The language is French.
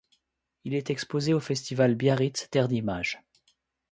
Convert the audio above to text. Il est exposé au Festival Biarritz, Terres d’Images.